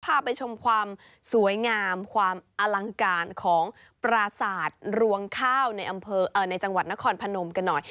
พาไปชมความสวยงามความอลังการของปราศาสตร์รวงข้าวในอำเภอในจังหวัดนครพนมกันหน่อย